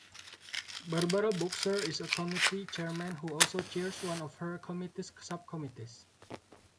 Barbara Boxer is a Committee chairmen who also chairs one of her committee's subcommittees.